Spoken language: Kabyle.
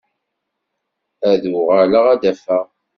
Ad uɣaleɣ ad d-afeɣ.